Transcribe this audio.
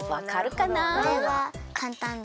これはかんたんだな。